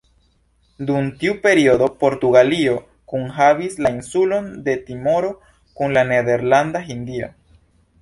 Dum tiu periodo, Portugalio kunhavis la insulon de Timoro kun la Nederlanda Hindio.